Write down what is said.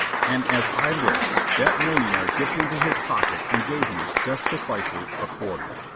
And as I live, that millionnaire dipped into his pocket and gave me ... just ... precisely ... a quarter.